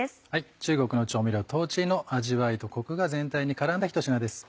中国の調味料豆の味わいとコクが全体に絡んだひと品です。